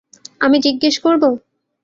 আমি জিজ্ঞেস করবো?